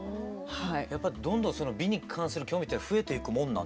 やっぱりどんどんその美に関する興味って増えていくもんなんですか？